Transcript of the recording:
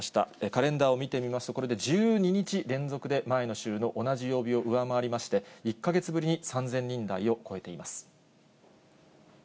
カレンダーを見てみますと、これで１２日連続で前の週の同じ曜日を上回りまして、１か月ぶりに３０００人台を超えています。